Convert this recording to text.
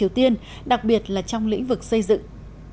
hội nghị thượng đỉnh mỹ triều tiên đặc biệt là trong lĩnh vực xây dựng